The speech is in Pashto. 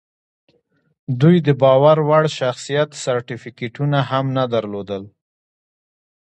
دوی د باور وړ شخصیت سرټیفیکټونه هم نه درلودل